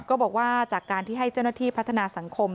ก็บอกว่าจากการที่ให้เจ้าหน้าที่พัฒนาสังคม